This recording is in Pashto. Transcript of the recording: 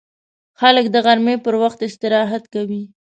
خلک د غرمې پر وخت استراحت کوي